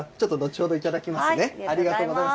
ありがとうございます。